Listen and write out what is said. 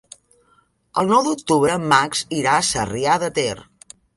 El nou d'octubre en Max irà a Sarrià de Ter.